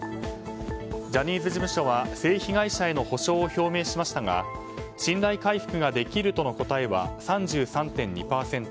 ジャニーズ事務所は性被害者への補償を表明しましたが信頼回復ができるとの答えは３３．２％